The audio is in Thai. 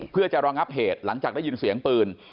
เพื่อจะรองับเหตุหลังจากได้ยินเสียงปืน